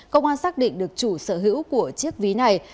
công an xác định được chủ sở hữu của chiếc ví này